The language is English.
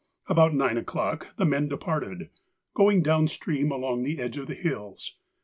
About nine o'clock the men departed, going down stream along the edge of the hills.